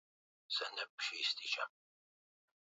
ya juu kabisa ya utendaji wa serikali matara